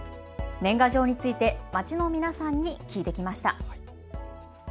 年賀状について街の皆さんに聞いてきました。